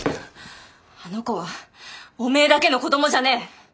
あの子はおめえだけの子どもじゃねえ。